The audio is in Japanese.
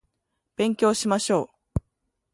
勉強しましょう